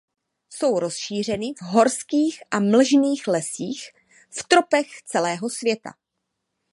Jsou rozšířeny v horských a mlžných lesích v tropech celého světa.